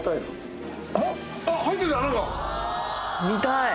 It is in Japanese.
見たい。